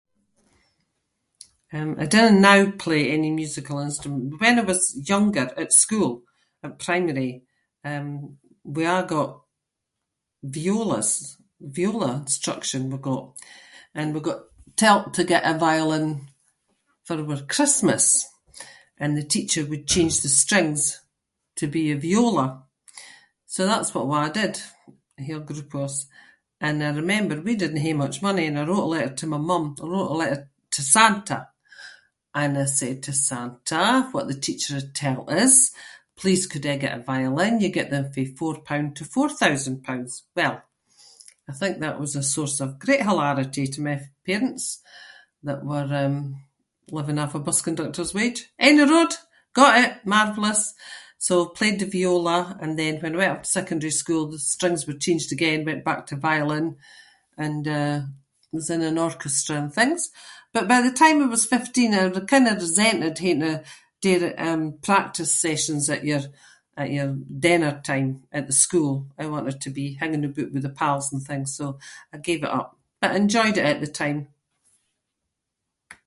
"Um, I dinna now play any musical instrument but when I was younger at school, at primary, um, we a’ got violas- viola instruction we got, and we got telt to get a violin for our Christmas and the teacher would change the strings to be a viola, so that’s what we a’ did, a whole group of us. And I remember we didnae hae much money and I wrote a letter to my mum- I wrote a letter to Santa and I said to Santa what the teacher had telt us, “please could I get a violin? You get them fae four pound to four thousand pounds."" Well, I think that was a source of great hilarity to my parents that were, um, living off a bus conductor’s wage. Anyroad, got it! Marvellous! So, I played the viola and then when I went up to secondary school the strings were changed again- went back to violin and, uh, was in an orchestra and things, but by the time I was fifteen I r- I kinda resented haeing to do the, um, practice sessions at your- at your dinnertime at the school. I wanted to be hanging aboot with the pals and things, so I gave it up, but I enjoyed it at the time."